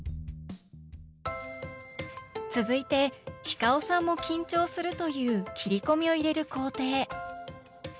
続いてｈｉｃａｏさんも緊張するという切り込みを入れる工程。